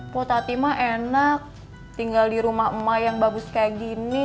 putati mah enak tinggal di rumah emak yang bagus kayak gini